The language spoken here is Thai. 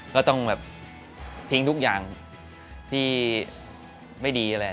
ก็ต้องแบบทิ้งทุกอย่างที่ไม่ดีอะไร